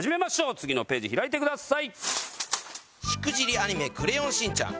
次のページ開いてください。